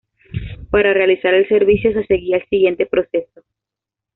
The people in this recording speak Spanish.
Para realizar el servicio, se seguía el siguiente proceso.